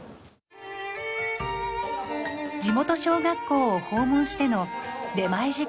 地元小学校を訪問しての出前授業。